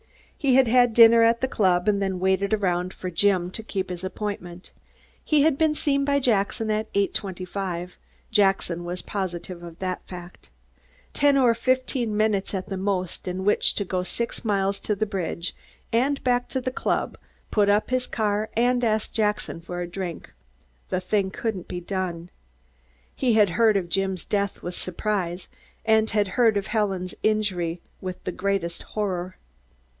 He had had dinner at the club and then waited around for Jim to keep his appointment. He had been seen by Jackson at eight twenty five; Jackson was positive of that fact. Ten or fifteen minutes at the most in which to go six miles to the bridge and back to the club, put up his car and ask Jackson for a drink. The thing couldn't be done. He had heard of Jim's death with surprise and had heard of Helen's injury with the greatest horror.